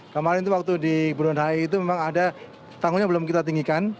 kemarin itu waktu di bundaran hi itu memang ada tanggungnya belum kita tinggikan